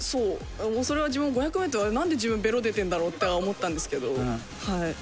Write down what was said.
美帆：そう、それは自分も５００ｍ、あれ、なんで自分ベロ出てるんだろうとは思ったんですけど。